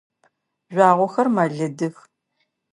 Жъуагъохэр мэлыдых.